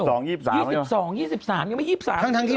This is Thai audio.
สองยี่สิบสามยี่สิบสองยี่สิบสามยังไม่ยี่สิบสามทั้งที่